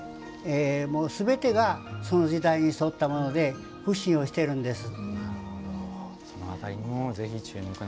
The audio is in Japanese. すべてがその時代に沿ったもので苦心をしているんです。